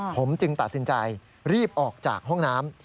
ผมจึงตัดสินใจรีบออกจากห้องน้ำ